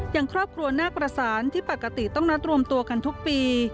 อย่างครอบครัวนาคประสานที่ปกติต้องนัดรวมตัวกันทุกปี